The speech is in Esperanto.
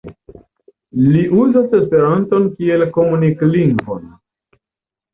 Li uzas esperanton kiel komunik-lingvo.